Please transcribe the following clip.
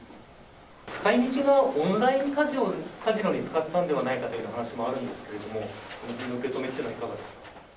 使いみちは、オンラインカジノに使ったんではないかという話もあるんですけれども、そのへんの受け止めというのはいかがですか。